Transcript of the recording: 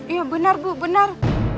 iya benar bu benar